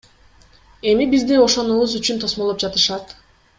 Эми бизди ошонубуз үчүн тосмолоп жатышат.